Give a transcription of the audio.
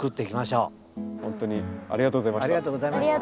ほんとにありがとうございました。